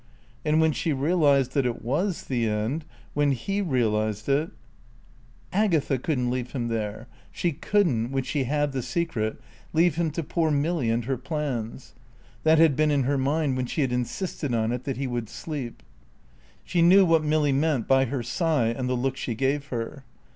And when she realised that it was the end when he realised it ... Agatha couldn't leave him there. She couldn't (when she had the secret) leave him to poor Milly and her plans. That had been in her mind when she had insisted on it that he would sleep. She knew what Milly meant by her sigh and the look she gave her.